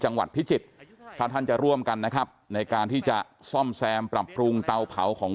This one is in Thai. จังหวัดพิจิตรถ้าท่านจะร่วมกันนะครับในการที่จะซ่อมแซมปรับปรุงเตาเผาของ